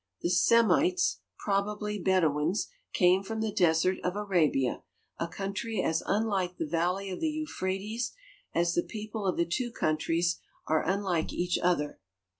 The Semites, probably Bedouins, came from the desert of Arabia, a country as unlike the valley of the Euphrates as the people of the two countries are unlike each other.